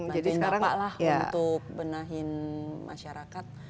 bantuin bapak lah untuk benahin masyarakat